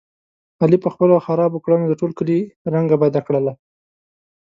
علي په خپلو خرابو کړنو د ټول کلي رنګه بده کړله.